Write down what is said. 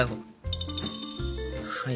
はい。